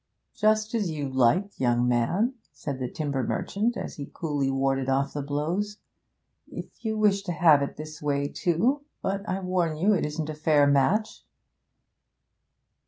'Just as you like, young man,' said the timber merchant, as he coolly warded off the blows, 'if you wish to have it this way too. But, I warn you, it isn't a fair match.